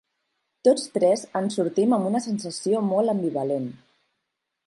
Tots tres en sortim amb una sensació molt ambivalent.